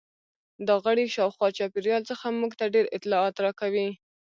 دا غړي شاوخوا چاپیریال څخه موږ ته ډېر اطلاعات راکوي.